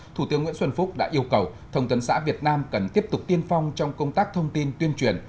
thủ tướng nguyễn xuân phúc đã yêu cầu thông tấn xã việt nam cần tiếp tục tiên phong trong công tác thông tin tuyên truyền